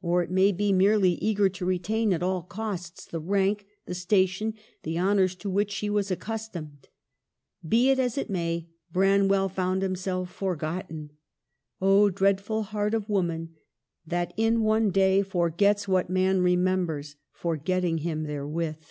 195 or, it may be, merely eager to retain at all costs the rank, the station, the honors to which she was accustomed. Be it as it may, Branwell found himself forgotten. " Oh, dreadful heart of woman, That in one day forgets what man remembers, Forgetting him therewith."